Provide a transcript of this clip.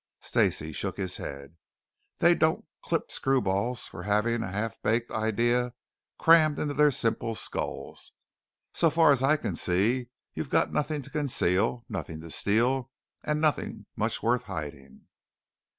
Stacey shook his head again. "They don't clip screwballs for having a half baked idea crammed in their simple skulls. So far as I can see it, you've got nothing to conceal, nothing to steal, and nothing much worth hiding."